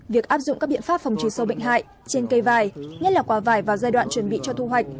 việc áp dụng các biện pháp phòng trừ sâu bệnh hại trên cây vải nhất là quả vải vào giai đoạn chuẩn bị cho thu hoạch